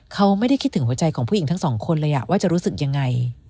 เขาไม่ได้คิดถึงหัวใจของผู้หญิงทั้งสองคนเลยว่าจะรู้สึกยังไง